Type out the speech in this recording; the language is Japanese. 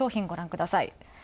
ご覧ください。